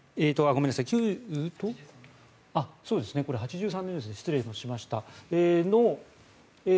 １９８３年ですね失礼しました。